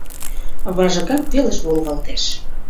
Важыкак пелыш волгалтеш.